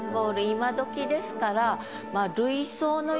今どきですから。